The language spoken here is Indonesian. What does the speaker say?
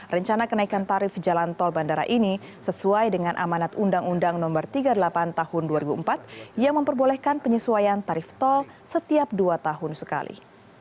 rencana kenaikan tarif jalan tol bandara ini sesuai dengan amanat undang undang no tiga puluh delapan tahun dua ribu empat yang memperbolehkan penyesuaian tarif tol setiap dua tahun sekali